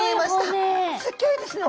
すっギョいですね